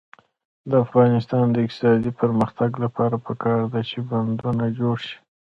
د افغانستان د اقتصادي پرمختګ لپاره پکار ده چې بندونه جوړ شي.